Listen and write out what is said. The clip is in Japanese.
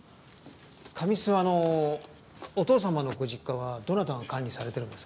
上諏訪のお父様のご実家はどなたが管理されてるんですか？